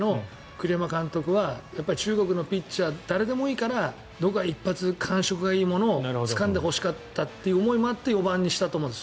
栗山監督は中国のピッチャー誰でもいいからどこか一発感触がいいものをつかんでほしかったという思いもあって４番にしたと思うんです